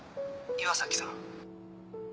岩崎さん。